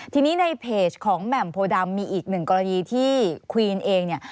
ทีนี้ในเพจของแหม่มโพดำมีอีกหนึ่งกรณีที่ควีนเองเนี่ย